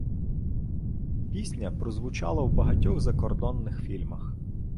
Пісня прозвучала в багатьох закордонних фільмах